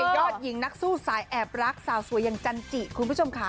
ยอดหญิงนักสู้สายแอบรักสาวสวยอย่างจันจิคุณผู้ชมค่ะ